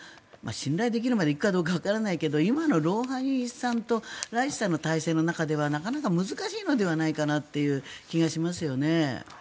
信頼できるまで行くかどうかわからないけど今のロウハニさんとライシさんの体制の中ではなかなか難しいのではないかなっていう気がしますよね。